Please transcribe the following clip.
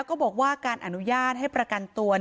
ก็บอกว่าการอนุญาตให้ประกันตัว